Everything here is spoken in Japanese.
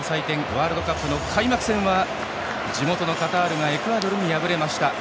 ワールドカップの開幕戦は地元のカタールがエクアドルに敗れました。